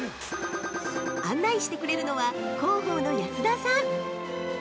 案内してくれるのは、広報の安田さん。